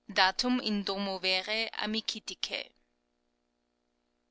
"Datum in domo verae amicitice."